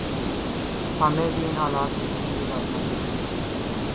ہمیں بھی ان حالات میں زندگی گزارنا چاہیے